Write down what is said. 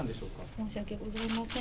申し訳ございません。